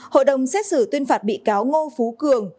hội đồng xét xử tuyên phạt bị cáo ngô phú cường